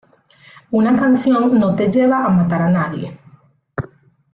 Una canción no te lleva a matar a nadie.